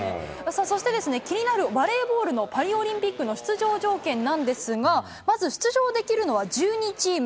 そして気になるバレーボールのパリオリンピックの出場条件なんですが、まず出場できるのは１２チーム。